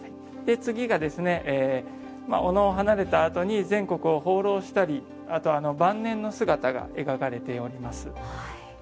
次が小野を離れたあとに全国を放浪したりあと晩年の姿が描かれております。